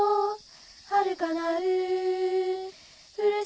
はるかなる